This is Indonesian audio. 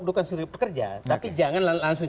itu kan sendiri pekerja tapi jangan langsung